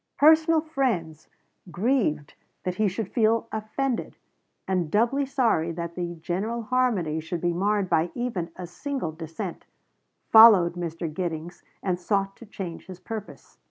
Personal friends, grieved that he should feel offended, and doubly sorry that the general harmony should be marred by even a single dissent, followed Mr. Giddings, and sought to change his purpose.